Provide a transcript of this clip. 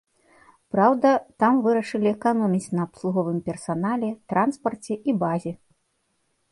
Праўда, там вырашылі эканоміць на абслуговым персанале, транспарце і базе.